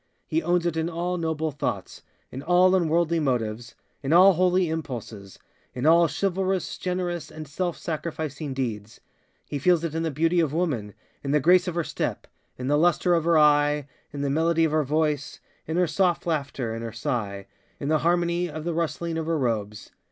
He owns it in all noble thoughtsŌĆöin all unworldly motivesŌĆöin all holy impulsesŌĆöin all chivalrous, generous, and self sacrificing deeds. He feels it in the beauty of womanŌĆöin the grace of her stepŌĆöin the lustre of her eyeŌĆöin the melody of her voiceŌĆöin her soft laughter, in her sighŌĆöin the harmony of the rustling of her robes.